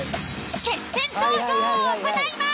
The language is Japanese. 決選投票を行います！